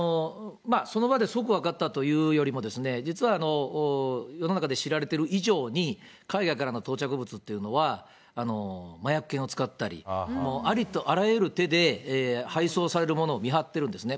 その場で即分かったというよりも、実は、世の中で知られてる以上に、海外からの到着物っていうのは麻薬犬を使ったり、ありとあらゆる手で、配送されるものを見張ってるんですね。